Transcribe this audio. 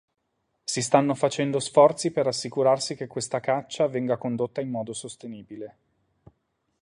Si stanno facendo sforzi per assicurarsi che questa caccia venga condotta in modo sostenibile.